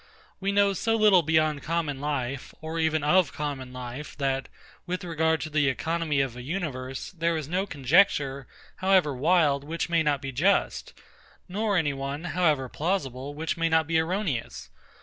We know so little beyond common life, or even of common life, that, with regard to the economy of a universe, there is no conjecture, however wild, which may not be just; nor any one, however plausible, which may not be erroneous.